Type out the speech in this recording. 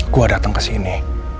gue dateng kesini